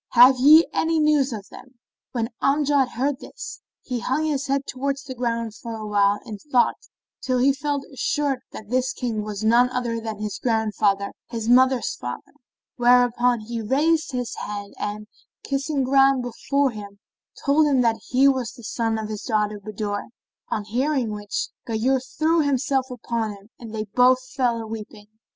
Have ye any news of them?" When Amjad heard this, he hung his head towards the ground for a while in thought till he felt assured that this King was none other than his grandfather, his mother's father; where upon he raised his head and, kissing ground before him, told him that he was the son of his daughter Budur; on hearing which Ghayur threw himself upon him and they both fell a weeping.